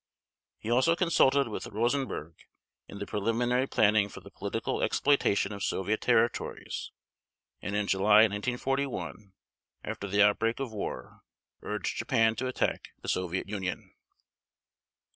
He also consulted with Rosenberg in the preliminary planning for the political exploitation of Soviet territories and in July 1941, after the outbreak of war, urged Japan to attack the Soviet Union.